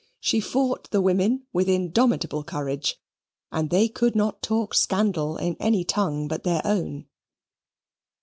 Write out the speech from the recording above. She fought the women with indomitable courage, and they could not talk scandal in any tongue but their own.